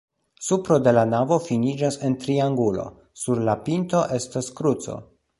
Supro de la navo finiĝas en triangulo, sur la pinto estas kruco.